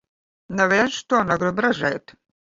Neviens to negrib redzēt.